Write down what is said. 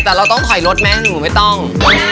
แต่เราต้องถอยรถไหมหนูไม่ต้อง